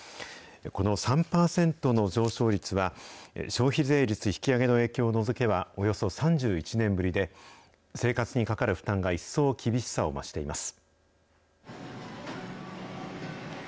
この３％の上昇率は、消費税率引き上げの影響を除けば、およそ３１年ぶりで、生活にかかる負担が一層厳しさを増しています。